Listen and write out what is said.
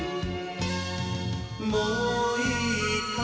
「もういいかい？